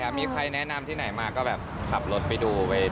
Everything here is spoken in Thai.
มีใครแนะนำที่ไหนมาก็แบบขับรถไปดู